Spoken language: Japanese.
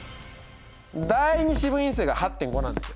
第２四分位数が８．５なんですよ。